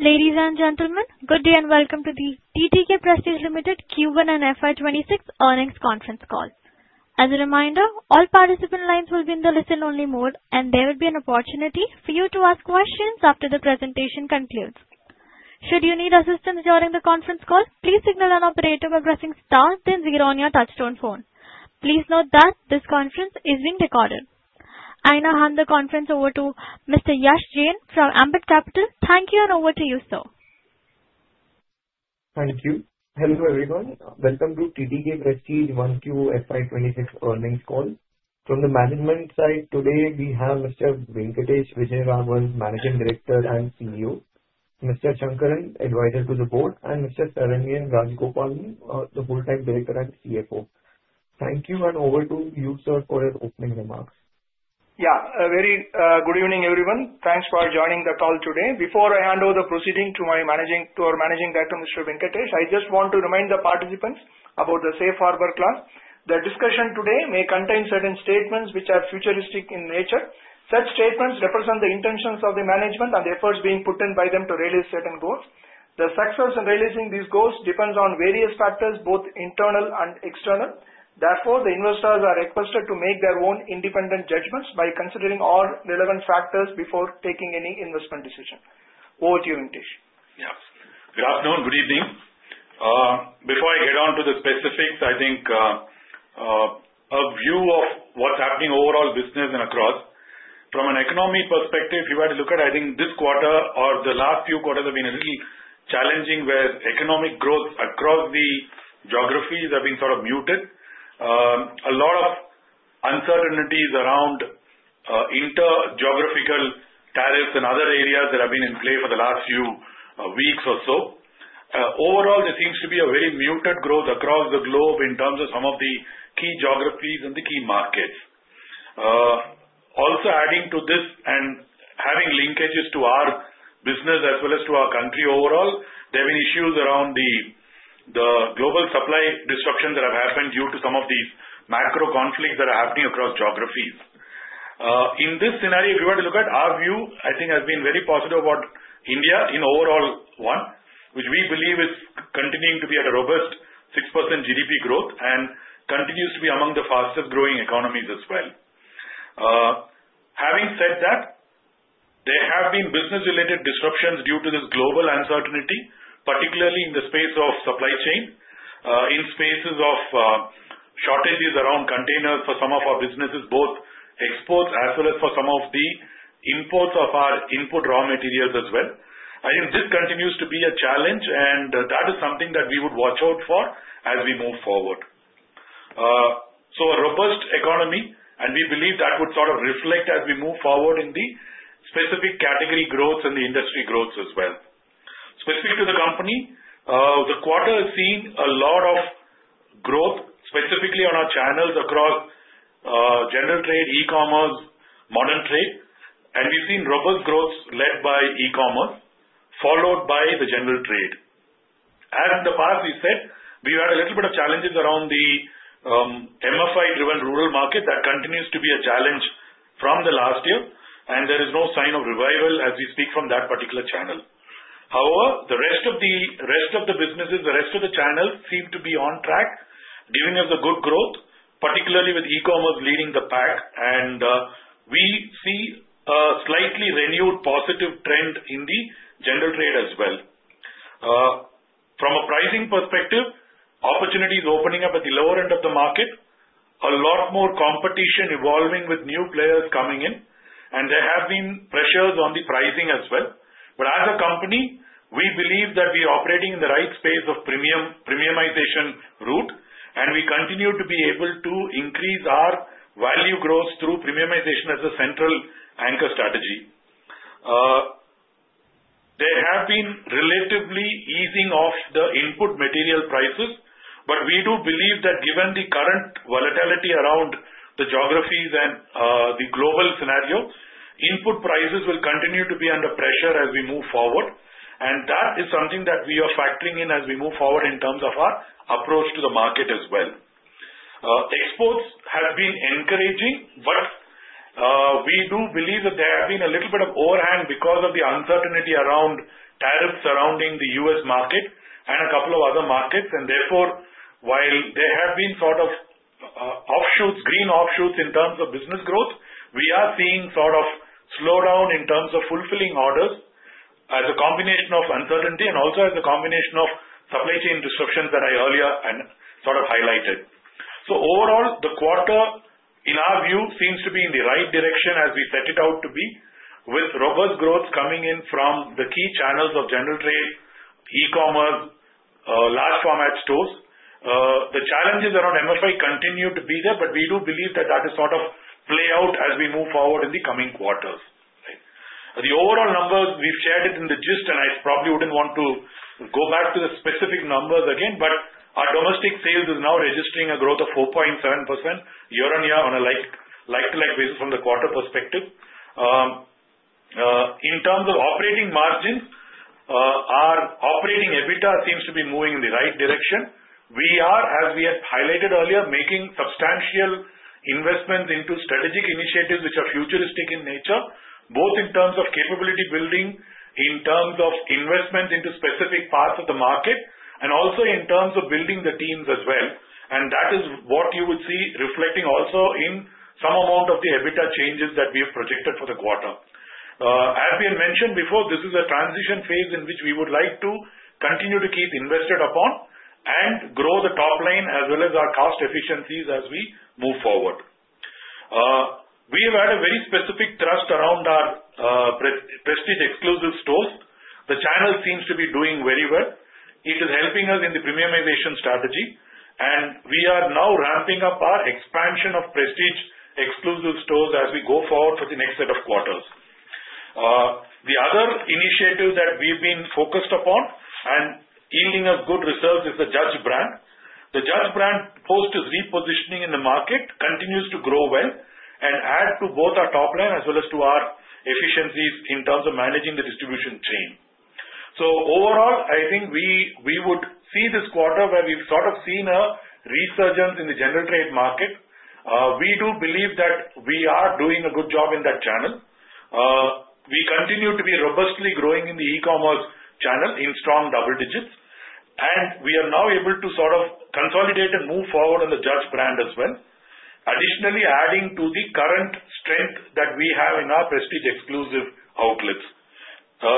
Ladies and gentlemen, good day and welcome to the TTK Prestige Limited Q1 and FY26 earnings conference call. As a reminder, all participant lines will be in the listen-only mode, and there will be an opportunity for you to ask questions after the presentation concludes. Should you need assistance during the conference call, please signal an operator by pressing star then zero on your touch-tone phone. Please note that this conference is being recorded. I now hand the conference over to Mr. Yash Jain from Ambit Capital. Thank you, and over to you, sir. Thank you. Hello everyone. Welcome to TTK Prestige 1Q FY26 earnings call. From the management side, today we have Mr. Venkatesh Vijayaraghavan, Managing Director and CEO, Mr. K. Shankaran, Advisor to the Board, and Mr. R. Saranyan, the Full-Time Director and CFO. Thank you, and over to you, sir, for your opening remarks. Yeah, very good evening, everyone. Thanks for joining the call today. Before I hand over the proceedings to our Managing Director, Mr. Venkatesh, I just want to remind the participants about the safe harbor clause. The discussion today may contain certain statements which are futuristic in nature. Such statements represent the intentions of the management and the efforts being put in by them to realize certain goals. The success in realizing these goals depends on various factors, both internal and external. Therefore, the investors are requested to make their own independent judgments by considering all relevant factors before taking any investment decision. Over to you, Venkatesh. Yes. Good afternoon. Good evening. Before I get on to the specifics, I think a view of what's happening overall business and across. From an economy perspective, if you were to look at it, I think this quarter or the last few quarters have been really challenging, where economic growth across the geographies has been sort of muted. A lot of uncertainties around inter-geographical tariffs and other areas that have been in play for the last few weeks or so. Overall, there seems to be a very muted growth across the globe in terms of some of the key geographies and the key markets. Also, adding to this and having linkages to our business as well as to our country overall, there have been issues around the global supply disruptions that have happened due to some of these macro conflicts that are happening across geographies. In this scenario, if you were to look at our view, I think it has been very positive about India in overall, one, which we believe is continuing to be at a robust six% GDP growth and continues to be among the fastest growing economies as well. Having said that, there have been business-related disruptions due to this global uncertainty, particularly in the space of supply chain, in spaces of shortages around containers for some of our businesses, both exports as well as for some of the imports of our input raw materials as well. I think this continues to be a challenge, and that is something that we would watch out for as we move forward. So a robust economy, and we believe that would sort of reflect as we move forward in the specific category growths and the industry growths as well. Specific to the company, the quarter has seen a lot of growth, specifically on our channels across general trade, e-commerce, modern trade, and we've seen robust growth led by e-commerce, followed by the general trade. As in the past, we said, we've had a little bit of challenges around the MFI-driven rural market that continues to be a challenge from the last year, and there is no sign of revival as we speak from that particular channel. However, the rest of the businesses, the rest of the channels seem to be on track, giving us a good growth, particularly with e-commerce leading the pack, and we see a slightly renewed positive trend in the general trade as well. From a pricing perspective, opportunities opening up at the lower end of the market, a lot more competition evolving with new players coming in, and there have been pressures on the pricing as well. But as a company, we believe that we are operating in the right space of premiumization route, and we continue to be able to increase our value growth through premiumization as a central anchor strategy. There have been relatively easing of the input material prices, but we do believe that given the current volatility around the geographies and the global scenario, input prices will continue to be under pressure as we move forward, and that is something that we are factoring in as we move forward in terms of our approach to the market as well. Exports have been encouraging, but we do believe that there have been a little bit of overhang because of the uncertainty around tariffs surrounding the U.S. market and a couple of other markets, and therefore, while there have been sort of offshoots, green shoots in terms of business growth, we are seeing sort of slowdown in terms of fulfilling orders as a combination of uncertainty and also as a combination of supply chain disruptions that I earlier sort of highlighted. Overall, the quarter, in our view, seems to be in the right direction as we set it out to be, with robust growth coming in from the key channels of general trade, e-commerce, large format stores. The challenges around MFI continue to be there, but we do believe that that is sort of play out as we move forward in the coming quarters. The overall numbers, we've shared it in the gist, and I probably wouldn't want to go back to the specific numbers again, but our domestic sales is now registering a growth of 4.7% year on year on a like-to-like basis from the quarter perspective. In terms of operating margins, our operating EBITDA seems to be moving in the right direction. We are, as we had highlighted earlier, making substantial investments into strategic initiatives which are futuristic in nature, both in terms of capability building, in terms of investments into specific parts of the market, and also in terms of building the teams as well, and that is what you would see reflecting also in some amount of the EBITDA changes that we have projected for the quarter. As we had mentioned before, this is a transition phase in which we would like to continue to keep invested upon and grow the top line as well as our cost efficiencies as we move forward. We have had a very specific thrust around our Prestige Xclusive Stores. The channel seems to be doing very well. It is helping us in the premiumization strategy, and we are now ramping up our expansion of Prestige Xclusive Stores as we go forward for the next set of quarters. The other initiative that we've been focused upon and yielding us good results is the Judge brand. The Judge brand post-repositioning in the market continues to grow well and add to both our top line as well as to our efficiencies in terms of managing the distribution chain. So overall, I think we would see this quarter where we've sort of seen a resurgence in the general trade market. We do believe that we are doing a good job in that channel. We continue to be robustly growing in the e-commerce channel in strong double digits, and we are now able to sort of consolidate and move forward on the Judge brand as well, additionally adding to the current strength that we have in our Prestige Xclusive outlets.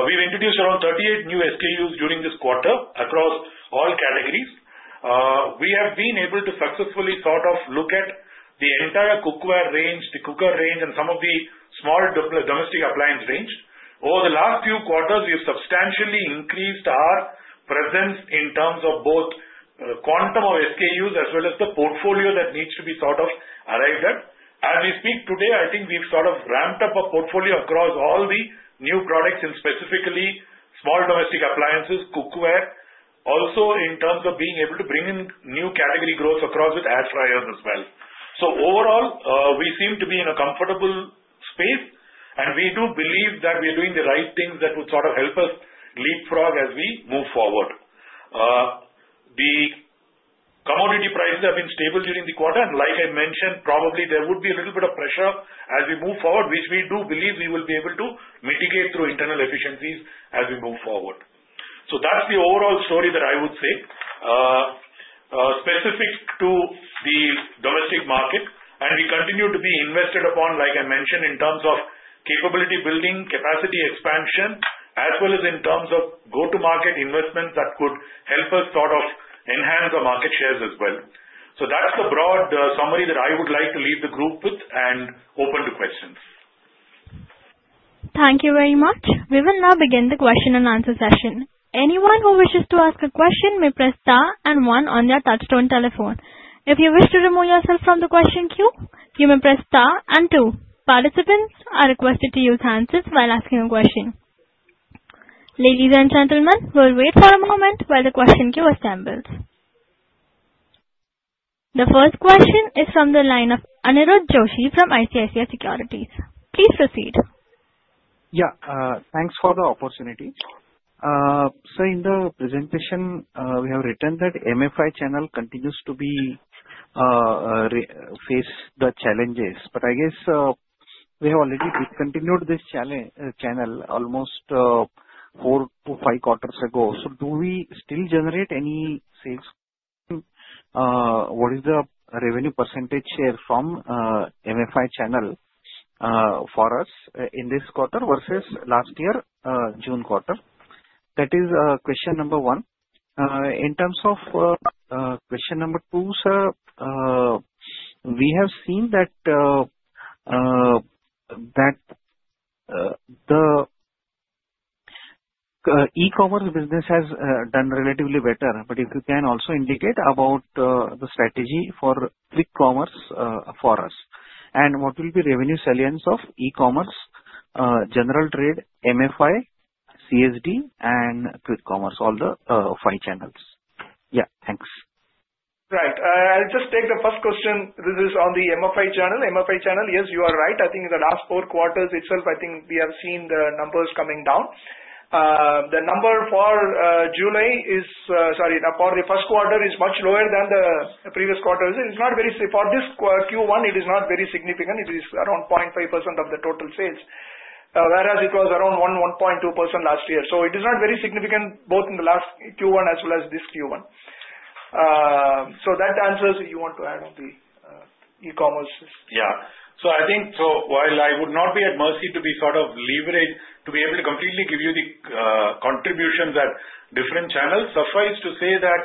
We've introduced around 38 new SKUs during this quarter across all categories. We have been able to successfully sort of look at the entire cookware range, the cooker range, and some of the small domestic appliance range. Over the last few quarters, we have substantially increased our presence in terms of both quantum of SKUs as well as the portfolio that needs to be sort of arrived at. As we speak today, I think we've sort of ramped up our portfolio across all the new products and specifically small domestic appliances, cookware, also in terms of being able to bring in new category growth across with air fryers as well. So overall, we seem to be in a comfortable space, and we do believe that we are doing the right things that would sort of help us leapfrog as we move forward. The commodity prices have been stable during the quarter, and like I mentioned, probably there would be a little bit of pressure as we move forward, which we do believe we will be able to mitigate through internal efficiencies as we move forward. So that's the overall story that I would say specific to the domestic market, and we continue to be invested upon, like I mentioned, in terms of capability building, capacity expansion, as well as in terms of go-to-market investments that could help us sort of enhance our market shares as well. So that's the broad summary that I would like to leave the group with and open to questions. Thank you very much. We will now begin the question and answer session. Anyone who wishes to ask a question may press star and one on their touch-tone telephone. If you wish to remove yourself from the question queue, you may press star and two. Participants are requested to use handsets while asking a question. Ladies and gentlemen, we'll wait for a moment while the question queue assembles. The first question is from the line of Anirudh Joshi from ICICI Securities. Please proceed. Yeah, thanks for the opportunity. So in the presentation, we have written that MFI channel continues to face the challenges, but I guess we have already discontinued this channel almost four to five quarters ago. So do we still generate any sales? What is the revenue percentage share from MFI channel for us in this quarter versus last year's June quarter? That is question number one. In terms of question number two, sir, we have seen that the e-commerce business has done relatively better, but if you can also indicate about the strategy for quick commerce for us and what will be revenue salience of e-commerce, general trade, MFI, CSD, and quick commerce, all the five channels? Yeah, thanks. Right. I'll just take the first question. This is on the MFI channel. MFI channel, yes, you are right. I think in the last four quarters itself, I think we have seen the numbers coming down. The number for July is, sorry, for the first quarter is much lower than the previous quarter. It is not very significant. For this Q1, it is not very significant. It is around 0.5% of the total sales, whereas it was around 1.2% last year. So it is not very significant both in the last Q1 as well as this Q1. So that answers if you want to add on the e-commerce. Yeah. So I think, so while I would not be at mercy to be sort of leveraged to be able to completely give you the contributions at different channels, suffice to say that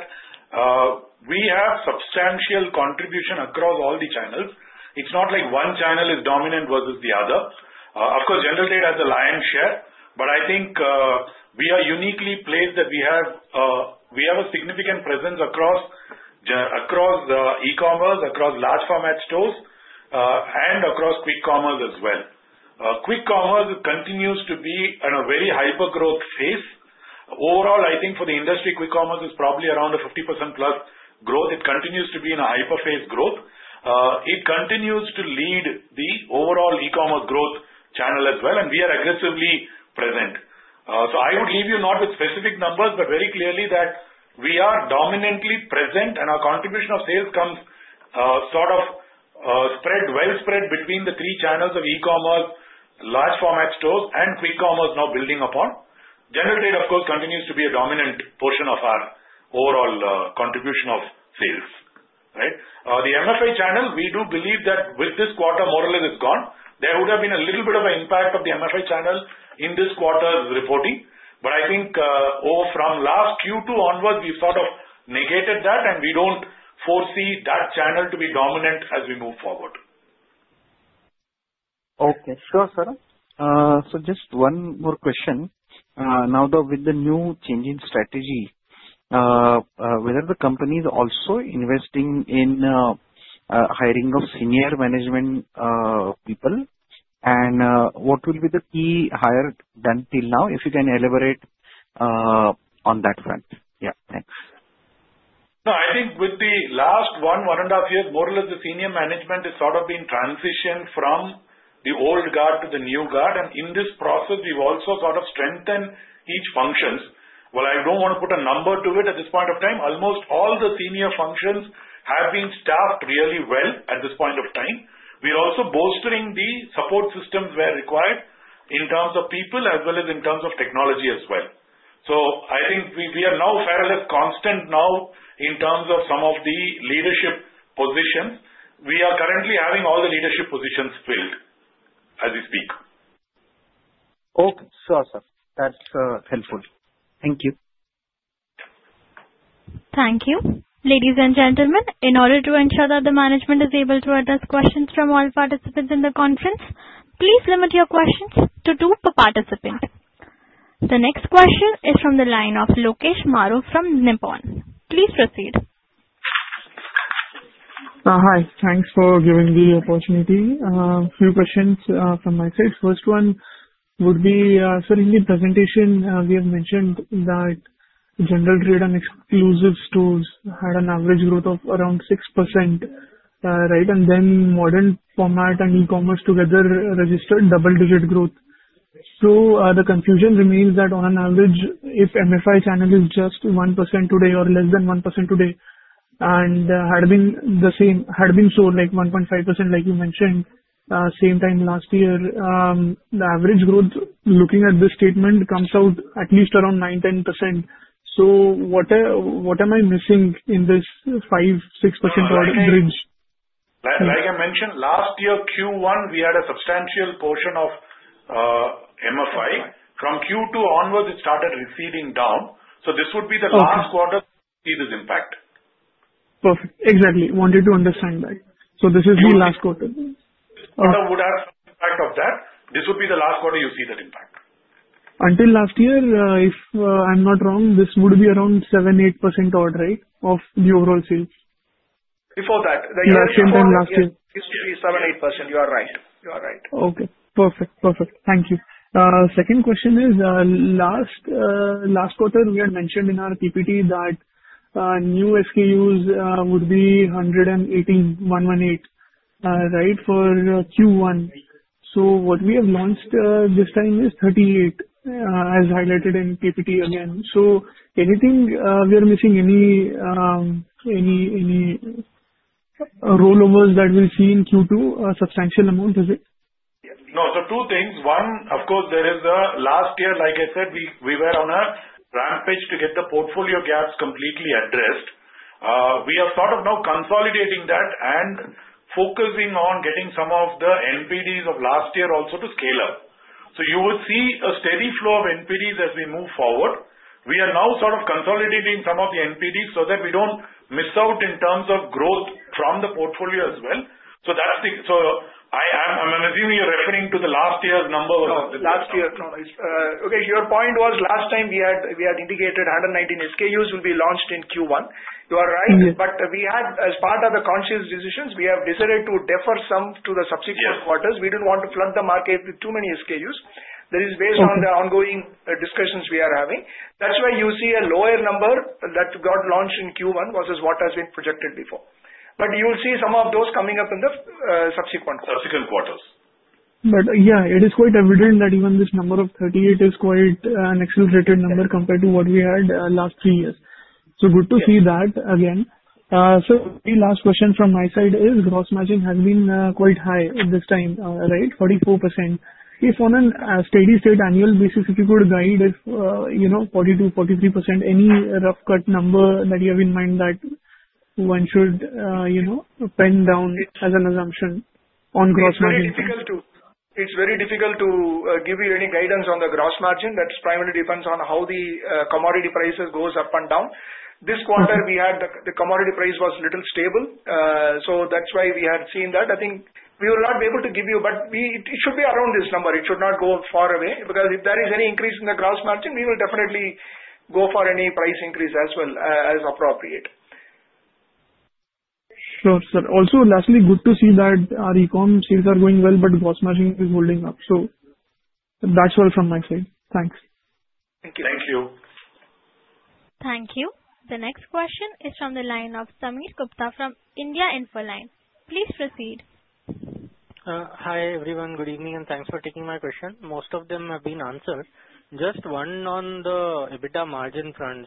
we have substantial contribution across all the channels. It's not like one channel is dominant versus the other. Of course, general trade has a lion's share, but I think we are uniquely placed that we have a significant presence across e-commerce, across large format stores, and across quick commerce as well. Quick commerce continues to be in a very hyper growth phase. Overall, I think for the industry, quick commerce is probably around a 50% plus growth. It continues to be in a hyper phase growth. It continues to lead the overall e-commerce growth channel as well, and we are aggressively present. So I would leave you not with specific numbers, but very clearly that we are dominantly present and our contribution of sales comes sort of spread, well spread between the three channels of e-commerce, large format stores, and quick commerce now building upon general trade. Of course, it continues to be a dominant portion of our overall contribution of sales. Right? The MFI channel, we do believe that with this quarter, more or less, it's gone. There would have been a little bit of an impact of the MFI channel in this quarter's reporting, but I think from last Q2 onwards, we've sort of negated that, and we don't foresee that channel to be dominant as we move forward. Okay. Sure, sir. So just one more question. Now, with the new changing strategy, whether the company is also investing in hiring of senior management people, and what will be the key hire done till now, if you can elaborate on that front? Yeah, thanks. No, I think with the last one and a half years, more or less, the senior management is sort of being transitioned from the old guard to the new guard, and in this process, we've also sort of strengthened each function. Well, I don't want to put a number to it at this point of time. Almost all the senior functions have been staffed really well at this point of time. We're also bolstering the support systems where required in terms of people as well as in terms of technology as well. So I think we are now fairly constant now in terms of some of the leadership positions. We are currently having all the leadership positions filled as we speak. Okay. Sure, sir. That's helpful. Thank you. Thank you. Ladies and gentlemen, in order to ensure that the management is able to address questions from all participants in the conference, please limit your questions to two per participant. The next question is from the line of Lokesh Maru from Nippon. Please proceed. Hi. Thanks for giving the opportunity. A few questions from my side. First one would be, sir, in the presentation, we have mentioned that general trade and exclusive stores had an average growth of around 6%, right? And then modern trade and e-commerce together registered double-digit growth. So the confusion remains that on an average, if MFI channel is just 1% today or less than 1% today and had been the same, had been so like 1.5%, like you mentioned, same time last year, the average growth, looking at this statement, comes out at least around 9-10%. So what am I missing in this 5-6% figure? Like I mentioned, last year Q1, we had a substantial portion of MFI. From Q2 onwards, it started receding down. So this would be the last quarter you see this impact. Perfect. Exactly. Wanted to understand that. So this is the last quarter. Sort of would have some impact of that. This would be the last quarter you see that impact. Until last year, if I'm not wrong, this would be around 7%-8% odd, right, of the overall sales? Before that. Yeah, same time last year. This would be 7-8%. You are right. You are right. Okay. Perfect. Perfect. Thank you. Second question is, last quarter, we had mentioned in our PPT that new SKUs would be 118, 118, right, for Q1. So what we have launched this time is 38, as highlighted in PPT again. So anything we are missing, any rollovers that we've seen Q2, a substantial amount, is it? No, so two things. One, of course, there is the last year, like I said, we were on a rampage to get the portfolio gaps completely addressed. We are sort of now consolidating that and focusing on getting some of the NPDs of last year also to scale up. So you will see a steady flow of NPDs as we move forward. We are now sort of consolidating some of the NPDs so that we don't miss out in terms of growth from the portfolio as well. So I'm assuming you're referring to the last year's number. No, last year. Okay. Your point was last time we had indicated 119 SKUs will be launched in Q1. You are right, but as part of the conscious decisions, we have decided to defer some to the subsequent quarters. We didn't want to flood the market with too many SKUs. That is based on the ongoing discussions we are having. That's why you see a lower number that got launched in Q1 versus what has been projected before. But you'll see some of those coming up in the subsequent quarter. Subsequent quarters. But yeah, it is quite evident that even this number of 38 is quite an exaggerated number compared to what we had last three years. So good to see that again. So the last question from my side is gross margin has been quite high this time, right? 44%. If on a steady state annual basis, if you could guide if 42%-43%, any rough cut number that you have in mind that one should pen down as an assumption on gross margin. It's very difficult to give you any guidance on the Gross Margin. That primarily depends on how the commodity prices go up and down. This quarter, the commodity price was a little stable. So that's why we had seen that. I think we will not be able to give you, but it should be around this number. It should not go far away because if there is any increase in the Gross Margin, we will definitely go for any price increase as well as appropriate. Sure, sir. Also, lastly, good to see that our e-comm sales are going well, but gross margin is holding up. So that's all from my side. Thanks. Thank you. Thank you. Thank you. The next question is from the line of Sameer Gupta from India Infoline. Please proceed. Hi everyone. Good evening and thanks for taking my question. Most of them have been answered. Just one on the EBITDA margin front.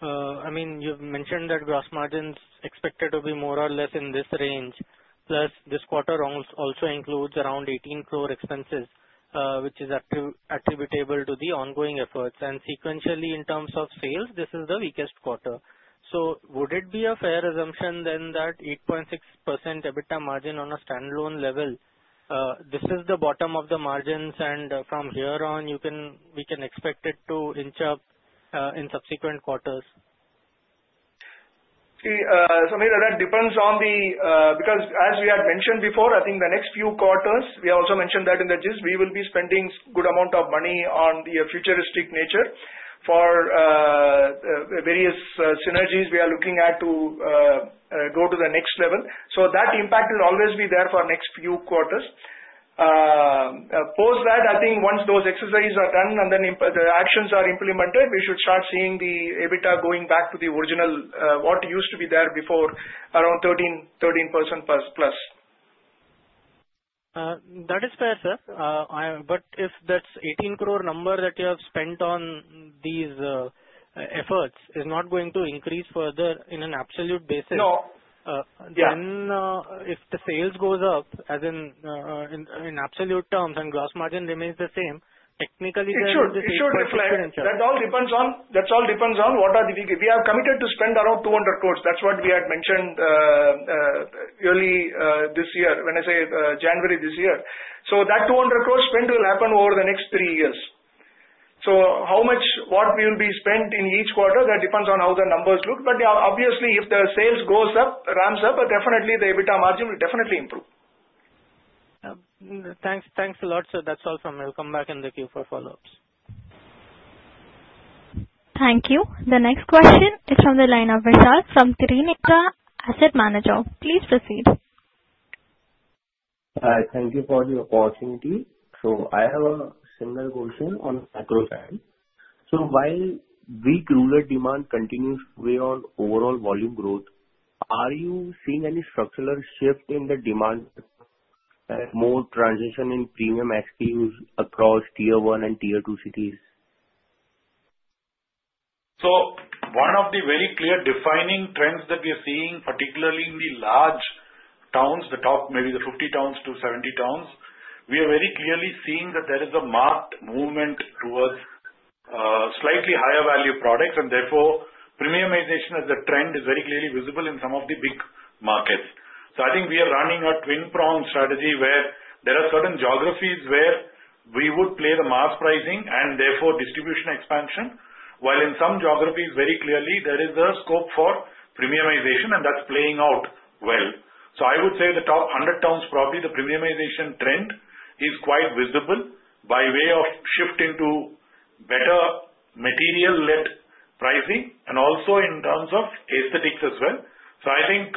So I mean, you've mentioned that gross margin is expected to be more or less in this range. Plus, this quarter also includes around 18 crore expenses, which is attributable to the ongoing efforts. And sequentially, in terms of sales, this is the weakest quarter. So would it be a fair assumption then that 8.6% EBITDA margin on a standalone level, this is the bottom of the margins, and from here on, we can expect it to inch up in subsequent quarters? See, Samir, that depends on the because as we had mentioned before. I think the next few quarters, we also mentioned that in the gist, we will be spending a good amount of money on the futuristic nature for various synergies we are looking at to go to the next level. So that impact will always be there for next few quarters. Post that, I think once those exercises are done and then the actions are implemented, we should start seeing the EBITDA going back to the original, what used to be there before, around 13% plus. That is fair, sir. But if that 18 crore number that you have spent on these efforts is not going to increase further in an absolute basis, then if the sales go up, as in absolute terms and gross margin remains the same, technically there is a significant churn. It should reflect that all depends on what we are committed to spend around 200 crore. That's what we had mentioned early this year, when I say January this year. So that 200 crore spent will happen over the next three years. So how much will be spent in each quarter, that depends on how the numbers look. But obviously, if the sales go up, ramp up, the EBITDA margin will definitely improve. Thanks a lot, sir. That's all from me. I'll come back in the queue for follow-ups. Thank you. The next question is from the line of Vishal from Carnelian Asset Advisors. Please proceed. Hi. Thank you for the opportunity. So I have a similar question on macro side. So while weak rural demand continues to weigh on overall volume growth, are you seeing any structural shift in the demand and more transition to premium SKUs across Tier 1 and Tier 2 cities? One of the very clear defining trends that we are seeing, particularly in the large towns, the top maybe the 50 towns to 70 towns, we are very clearly seeing that there is a marked movement towards slightly higher value products, and therefore, premiumization as a trend is very clearly visible in some of the big markets. I think we are running a twin prong strategy where there are certain geographies where we would play the mass pricing and therefore distribution expansion, while in some geographies, very clearly, there is a scope for premiumization, and that's playing out well. I would say the top 100 towns, probably the premiumization trend is quite visible by way of shifting to better material-led pricing and also in terms of aesthetics as well. I think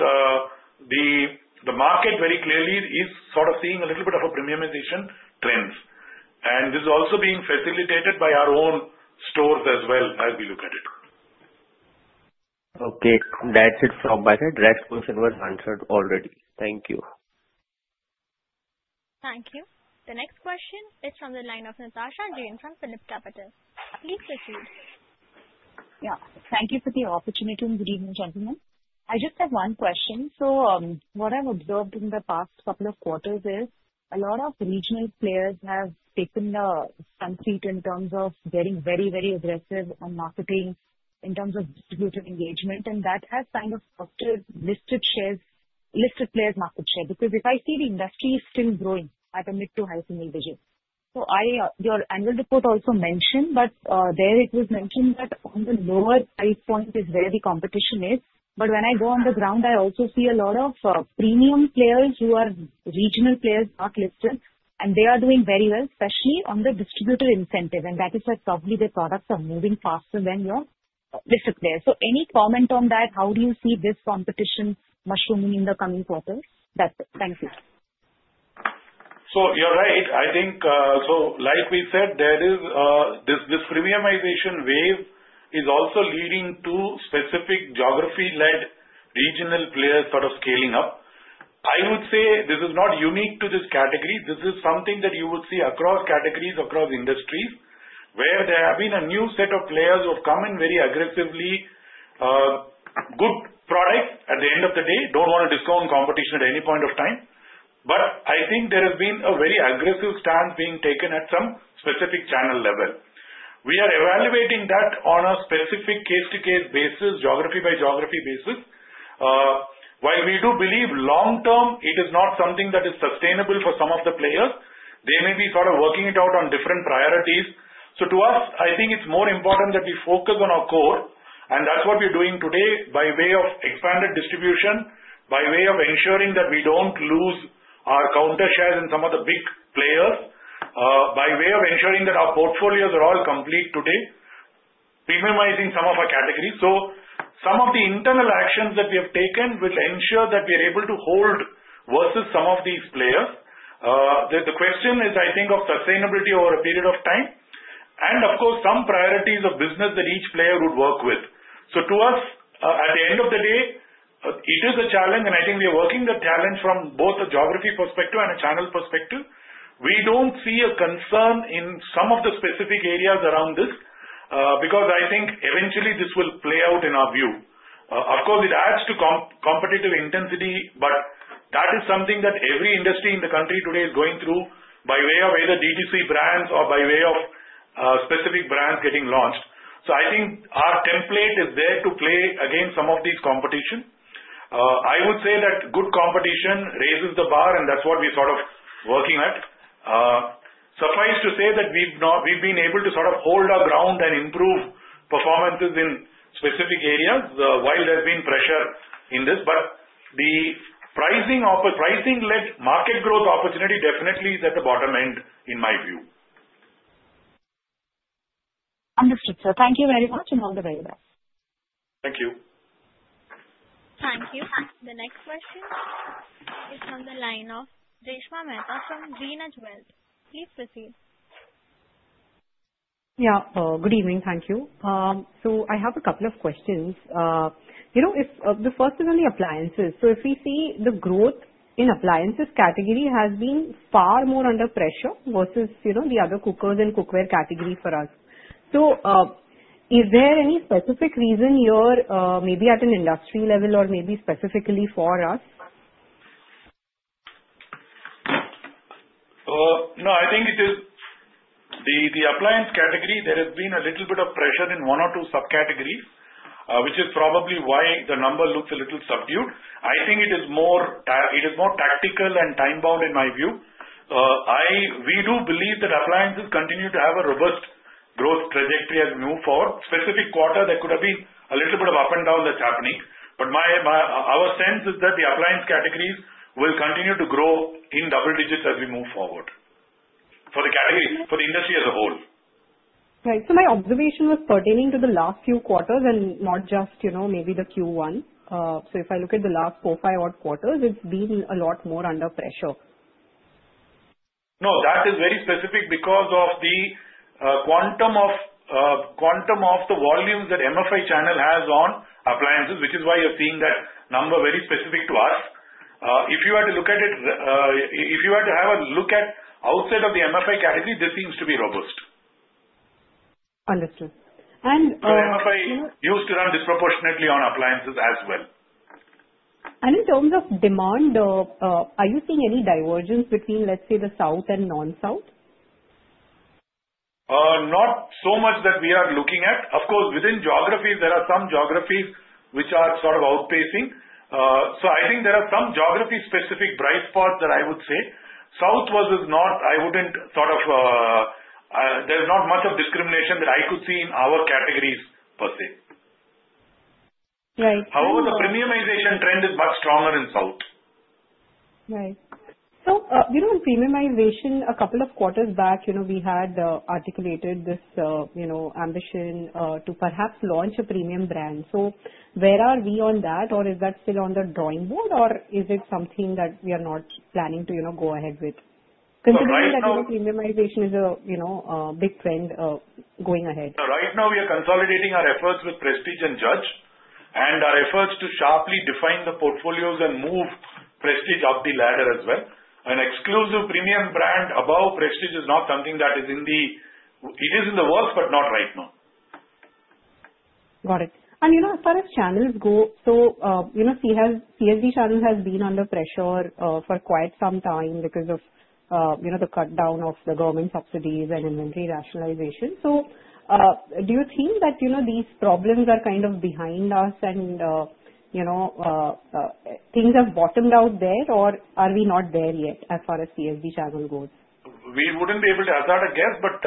the market very clearly is sort of seeing a little bit of a premiumization trend. This is also being facilitated by our own stores as well as we look at it. Okay. That's it from my side. Direct question was answered already. Thank you. Thank you. The next question is from the line of Natasha Jain from PhillipCapital. Please proceed. Yeah. Thank you for the opportunity, and good evening, gentlemen. I just have one question. So what I've observed in the past couple of quarters is a lot of regional players have taken the front seat in terms of getting very, very aggressive on marketing in terms of distributive engagement, and that has kind of affected listed shares, listed players' market share. Because if I see the industry still growing at a mid to high single digit, so your annual report also mentioned, but there it was mentioned that on the lower price point is where the competition is. But when I go on the ground, I also see a lot of premium players who are regional players not listed, and they are doing very well, especially on the distributor incentive. And that is why probably the products are moving faster than your listed players. So any comment on that? How do you see this competition mushrooming in the coming quarters? That's it. Thank you. So you're right. I think, so like we said, this premiumization wave is also leading to specific geography-led regional players sort of scaling up. I would say this is not unique to this category. This is something that you would see across categories, across industries, where there have been a new set of players who have come in very aggressively, good product at the end of the day, don't want to discount competition at any point of time. But I think there has been a very aggressive stance being taken at some specific channel level. We are evaluating that on a specific case-to-case basis, geography-by-geography basis. While we do believe long-term, it is not something that is sustainable for some of the players. They may be sort of working it out on different priorities. So to us, I think it's more important that we focus on our core, and that's what we're doing today by way of expanded distribution, by way of ensuring that we don't lose our counter shares in some of the big players, by way of ensuring that our portfolios are all complete today, premiumizing some of our categories. So some of the internal actions that we have taken will ensure that we are able to hold versus some of these players. The question is, I think, of sustainability over a period of time, and of course, some priorities of business that each player would work with. So to us, at the end of the day, it is a challenge, and I think we are working the challenge from both a geography perspective and a channel perspective. We don't see a concern in some of the specific areas around this because I think eventually this will play out in our view. Of course, it adds to competitive intensity, but that is something that every industry in the country today is going through by way of either DTC brands or by way of specific brands getting launched. So I think our template is there to play against some of these competitions. I would say that good competition raises the bar, and that's what we're sort of working at. Suffice to say that we've been able to sort of hold our ground and improve performances in specific areas while there's been pressure in this. But the pricing-led market growth opportunity definitely is at the bottom end, in my view. Understood, sir. Thank you very much and all the very best. Thank you. Thank you. The next question is from the line of Dishant Mehta from Green & Wealth. Please proceed. Yeah. Good evening. Thank you. So I have a couple of questions. The first is on the appliances. So if we see the growth in appliances category has been far more under pressure versus the other cookers and cookware category for us. So is there any specific reason here, maybe at an industry level or maybe specifically for us? No, I think it is the appliance category. There has been a little bit of pressure in one or two subcategories, which is probably why the number looks a little subdued. I think it is more tactical and time-bound, in my view. We do believe that appliances continue to have a robust growth trajectory as we move forward. Specific quarter, there could have been a little bit of up and down that's happening. But our sense is that the appliance categories will continue to grow in double digits as we move forward for the industry as a whole. Right. So my observation was pertaining to the last few quarters and not just maybe the Q1. So if I look at the last four, five odd quarters, it's been a lot more under pressure. No, that is very specific because of the quantum of the volume that MFI channel has on appliances, which is why you're seeing that number very specific to us. If you were to look at it, if you were to have a look at outside of the MFI category, this seems to be robust. Understood. And. MFI used to run disproportionately on appliances as well. In terms of demand, are you seeing any divergence between, let's say, the South and Non-South? Not so much that we are looking at. Of course, within geographies, there are some geographies which are sort of outpacing. So I think there are some geography-specific bright spots that I would say. South versus North, I wouldn't sort of there's not much of discrimination that I could see in our categories per se. Right. However, the premiumization trend is much stronger in South. Right. So premiumization, a couple of quarters back, we had articulated this ambition to perhaps launch a premium brand. So where are we on that? Or is that still on the drawing board, or is it something that we are not planning to go ahead with? Right. Considering that premiumization is a big trend going ahead. Right now, we are consolidating our efforts with Prestige and Judge, and our efforts to sharply define the portfolios and move Prestige up the ladder as well. An exclusive premium brand above Prestige is not something that is in the works, but not right now. Got it. And as far as channels go, so CSD channel has been under pressure for quite some time because of the cut down of the government subsidies and inventory rationalization. So do you think that these problems are kind of behind us and things have bottomed out there, or are we not there yet as far as CSD channel goes? We wouldn't be able to. I've got a guess, but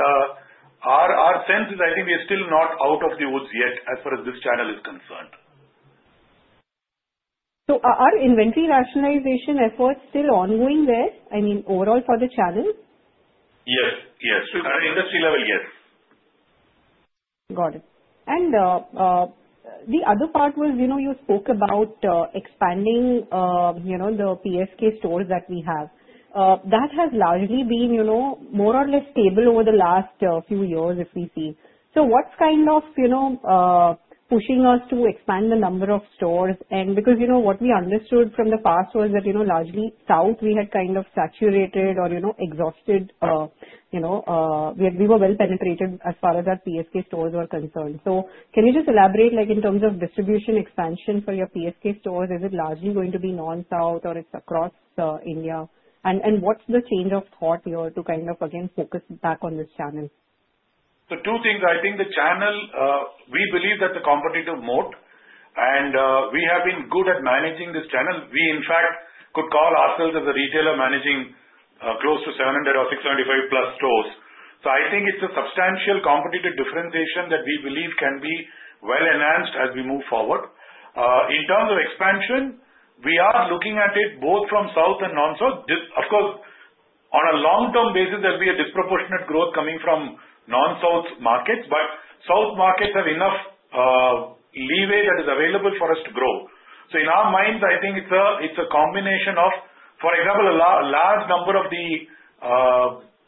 our sense is I think we are still not out of the woods yet as far as this channel is concerned. So are inventory rationalization efforts still ongoing there? I mean, overall for the channel? Yes. Yes. At an industry level, yes. Got it. And the other part was you spoke about expanding the PSK stores that we have. That has largely been more or less stable over the last few years, if we see. So what's kind of pushing us to expand the number of stores? And because what we understood from the past was that largely South, we had kind of saturated or exhausted, we were well penetrated as far as our PSK stores were concerned. So can you just elaborate in terms of distribution expansion for your PSK stores? Is it largely going to be non-South, or it's across India? And what's the change of thought here to kind of, again, focus back on this channel? So two things. I think the channel, we believe that the competitive moat, and we have been good at managing this channel. We, in fact, could call ourselves as a retailer managing close to 700 or 625-plus stores. So I think it's a substantial competitive differentiation that we believe can be well enhanced as we move forward. In terms of expansion, we are looking at it both from South and Non-South. Of course, on a long-term basis, there'll be a disproportionate growth coming from Non-South markets, but South markets have enough leeway that is available for us to grow. So in our minds, I think it's a combination of, for example, a large number of the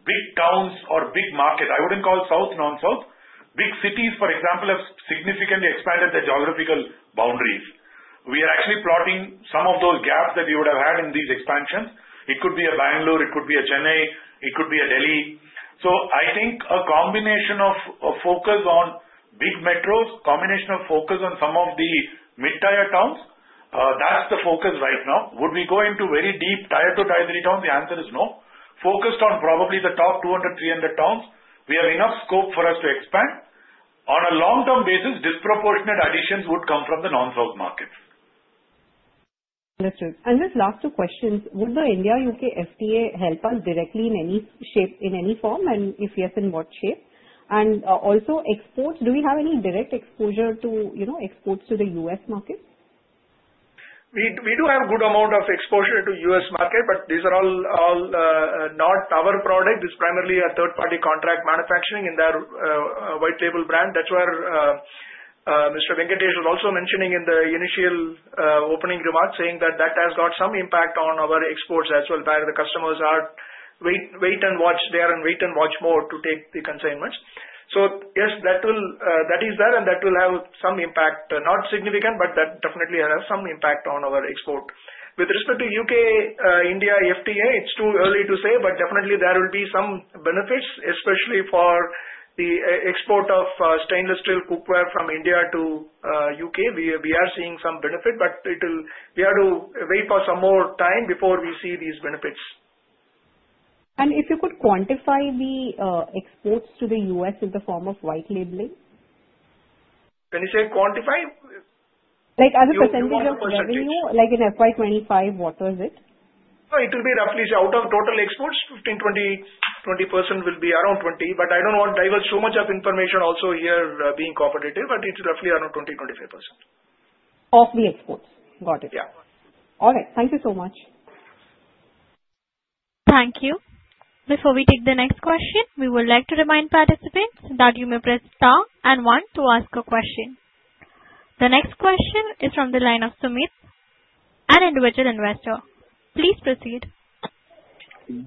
big towns or big markets, I wouldn't call South Non-South, big cities, for example, have significantly expanded their geographical boundaries. We are actually plotting some of those gaps that we would have had in these expansions. It could be a Bangalore, it could be a Chennai, it could be a Delhi. So I think a combination of focus on big metros, a combination of focus on some of the mid-tier towns, that's the focus right now. Would we go into very deep tier two to tier three towns? The answer is no. Focused on probably the top 200, 300 towns, we have enough scope for us to expand. On a long-term basis, disproportionate additions would come from the non-South market. Understood. And just last two questions. Would the India-U.K. FTA help us directly in any shape, in any form? And if yes, in what shape? And also, exports, do we have any direct exposure to exports to the U.S. market? We do have a good amount of exposure to the U.S. market, but these are all not our product. It's primarily a third-party contract manufacturing in their white label brand. That's where Mr. Venkatesh was also mentioning in the initial opening remarks, saying that that has got some impact on our exports as well, where the customers are wait and watch there and wait and watch more to take the consignments. So yes, that is there, and that will have some impact. Not significant, but that definitely has some impact on our export. With respect to U.K.-India FTA, it's too early to say, but definitely there will be some benefits, especially for the export of stainless steel cookware from India to U.K. We are seeing some benefit, but we have to wait for some more time before we see these benefits. If you could quantify the exports to the U.S. in the form of white labeling? Can you say quantify? Like as a percentage of revenue, like in FY25, what was it? It will be roughly out of total exports, 15%-20% will be around 20, but I don't want to divulge so much of information also here being cooperative, but it's roughly around 20%-25%. Of the exports. Got it. Yeah. All right. Thank you so much. Thank you. Before we take the next question, we would like to remind participants that you may press star and one to ask a question. The next question is from the line of Sumit, an individual investor. Please proceed.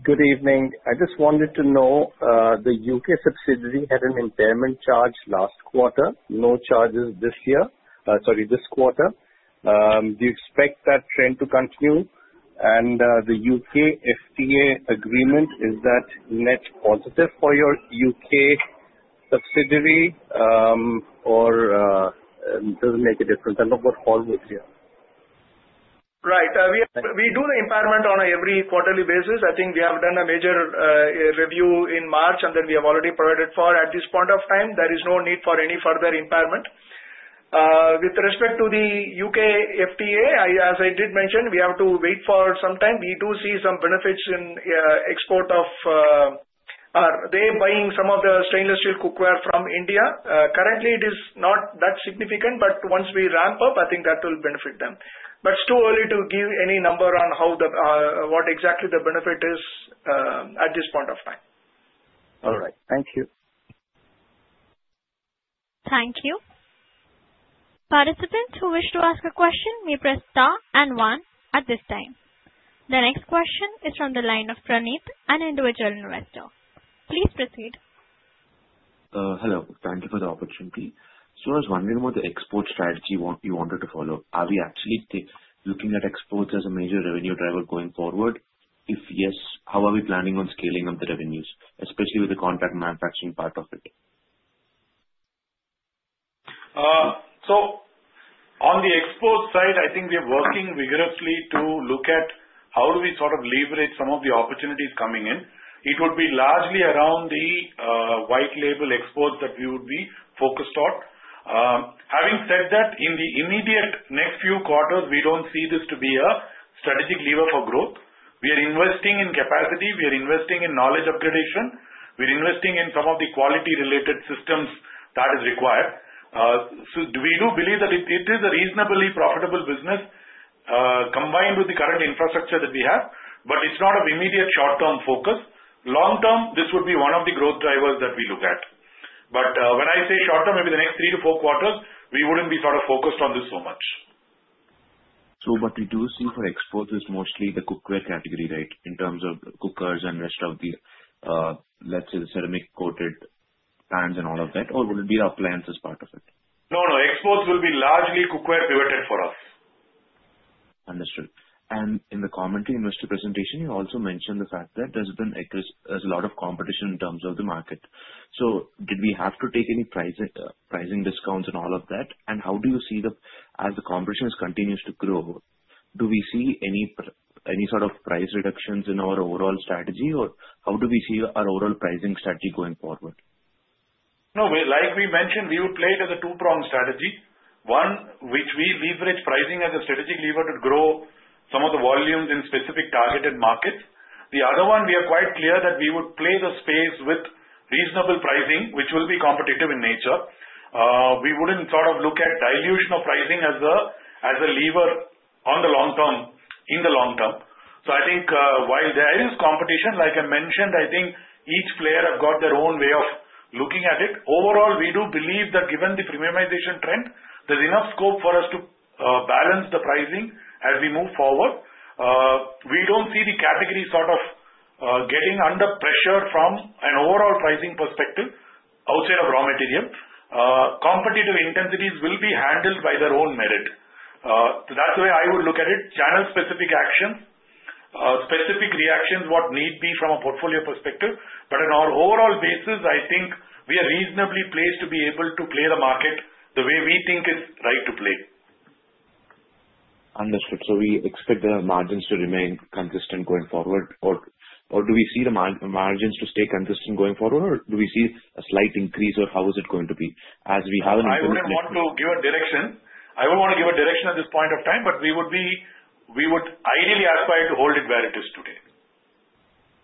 Good evening. I just wanted to know, the U.K. subsidiary had an impairment charge last quarter. No charges this year. Sorry, this quarter. Do you expect that trend to continue? And the U.K. FTA agreement, is that net positive for your U.K. subsidiary or does it make a difference? I'm not sure what Horwood is here. Right. We do the impairment on an every quarterly basis. I think we have done a major review in March, and then we have already provided for. At this point of time, there is no need for any further impairment. With respect to the U.K. FTA, as I did mention, we have to wait for some time. We do see some benefits in export of they are buying some of the stainless steel cookware from India. Currently, it is not that significant, but once we ramp up, I think that will benefit them. But it's too early to give any number on what exactly the benefit is at this point of time. All right. Thank you. Thank you. Participants who wish to ask a question may press star and one at this time. The next question is from the line of Praneeth, an individual investor. Please proceed. Hello. Thank you for the opportunity. So I was wondering what the export strategy you wanted to follow? Are we actually looking at exports as a major revenue driver going forward? If yes, how are we planning on scaling up the revenues, especially with the contract manufacturing part of it? So on the export side, I think we are working vigorously to look at how do we sort of leverage some of the opportunities coming in. It would be largely around the white label exports that we would be focused on. Having said that, in the immediate next few quarters, we don't see this to be a strategic lever for growth. We are investing in capacity. We are investing in knowledge upgradation. We are investing in some of the quality-related systems that are required. So we do believe that it is a reasonably profitable business combined with the current infrastructure that we have, but it's not of immediate short-term focus. Long-term, this would be one of the growth drivers that we look at. But when I say short-term, maybe the next three to four quarters, we wouldn't be sort of focused on this so much. So what we do see for exports is mostly the cookware category, right, in terms of cookers and rest of the, let's say, the ceramic-coated pans and all of that? Or would it be appliances part of it? No, no. Exports will be largely cookware pivoted for us. Understood. And in the commentary investor presentation, you also mentioned the fact that there's been a lot of competition in terms of the market. So did we have to take any pricing discounts and all of that? And how do you see that as the competition continues to grow, do we see any sort of price reductions in our overall strategy, or how do you see our overall pricing strategy going forward? No, like we mentioned, we would play it as a two-pronged strategy. One, which we leverage pricing as a strategic lever to grow some of the volumes in specific targeted markets. The other one, we are quite clear that we would play the space with reasonable pricing, which will be competitive in nature. We wouldn't sort of look at dilution of pricing as a lever on the long term, in the long term. So I think while there is competition, like I mentioned, I think each player has got their own way of looking at it. Overall, we do believe that given the premiumization trend, there's enough scope for us to balance the pricing as we move forward. We don't see the category sort of getting under pressure from an overall pricing perspective outside of raw material. Competitive intensities will be handled by their own merit. That's the way I would look at it. Channel-specific actions, specific reactions, what need be from a portfolio perspective. But on our overall basis, I think we are reasonably placed to be able to play the market the way we think it's right to play. Understood. So we expect the margins to remain consistent going forward. Or do we see the margins to stay consistent going forward, or do we see a slight increase, or how is it going to be as we have an infinite? I wouldn't want to give a direction. I wouldn't want to give a direction at this point of time, but we would ideally aspire to hold it where it is today.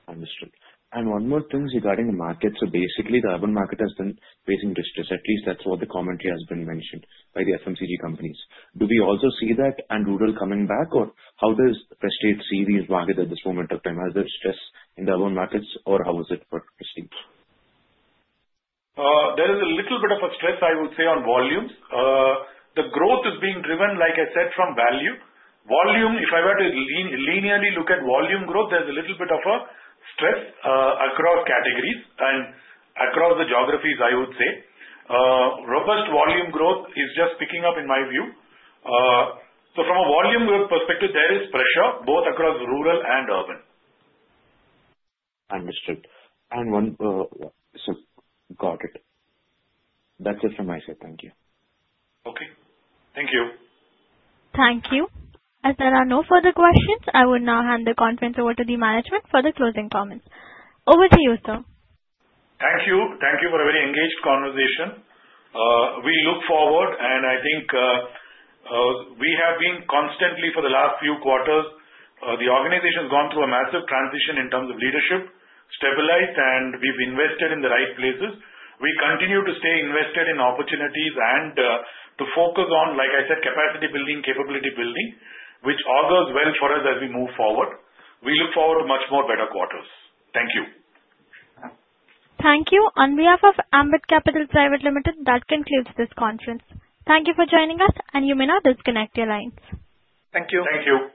Understood. And one more thing regarding the market. So basically, the urban market has been facing distress. At least that's what the commentary has been mentioned by the FMCG companies. Do we also see that and rural coming back, or how does Prestige see these markets at this moment of time? Is there stress in the urban markets, or how is it for Prestige? There is a little bit of a stress, I would say, on volumes. The growth is being driven, like I said, from value. Volume, if I were to linearly look at volume growth, there's a little bit of a stress across categories and across the geographies, I would say. Robust volume growth is just picking up, in my view. So from a volume growth perspective, there is pressure both across rural and urban. Understood. And one, got it. That's it from my side. Thank you. Okay. Thank you. Thank you. As there are no further questions, I will now hand the conference over to the management for the closing comments. Over to you, sir. Thank you. Thank you for a very engaged conversation. We look forward, and I think we have been constantly for the last few quarters. The organization has gone through a massive transition in terms of leadership, stabilized, and we've invested in the right places. We continue to stay invested in opportunities and to focus on, like I said, capacity building, capability building, which augurs well for us as we move forward. We look forward to much more better quarters. Thank you. Thank you. On behalf of Ambit Capital Private Limited, that concludes this conference. Thank you for joining us, and you may now disconnect your lines. Thank you. Thank you.